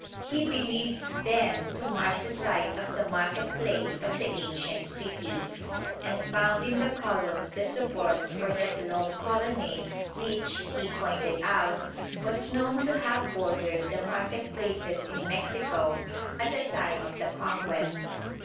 He believed them to mark the site of the market place of the ancient city, and found in the columns the supports for that low colonnade which, he pointed out, was known to have bordered the market places in Mexico at the time of the Conquest.